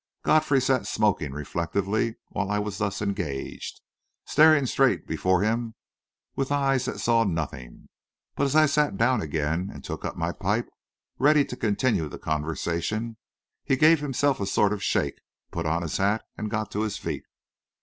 Godfrey sat smoking reflectively while I was thus engaged, staring straight before him with eyes that saw nothing; but as I sat down again and took up my pipe, ready to continue the conversation, he gave himself a sort of shake, put on his hat, and got to his feet.